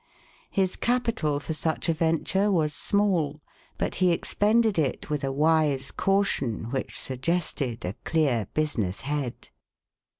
His capital for such a venture was small, but he ex pended it with a wise caution which suggested a clear business head.